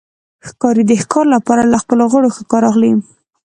ښکاري د ښکار لپاره له خپلو غړو ښه کار اخلي.